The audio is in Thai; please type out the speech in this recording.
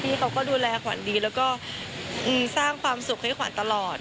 เขาก็ดูแลขวัญดีแล้วก็สร้างความสุขให้ขวัญตลอด